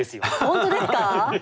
本当ですか？